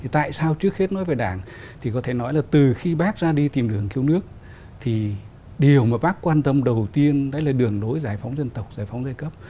tại sao trước hết nói về đảng thì có thể nói là từ khi bác ra đi tìm đường cứu nước thì điều mà bác quan tâm đầu tiên đó là đường đối giải phóng dân tộc giải phóng giai cấp